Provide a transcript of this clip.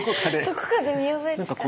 どこかで見覚えですか？